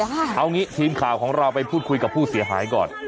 เอางี้ทีมข่าวของเราไปพูดคุยกับผู้เสียหายก่อน